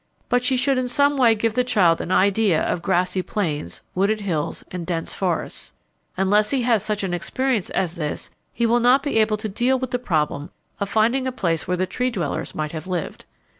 But she should in some way give the child an idea of grassy plains, wooded hills, and dense forests. Unless he has such an experience as this he will not be able to deal with the problem of finding a place where the Tree dwellers might have lived.